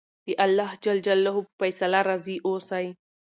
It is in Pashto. د اللهﷻ په فیصله راضي اوسئ.